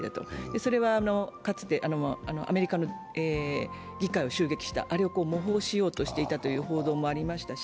それはかつてアメリカの議会を襲撃した、あれを模倣しようとしていたという報道もありましたし